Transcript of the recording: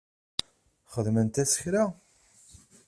Xedment-as kra?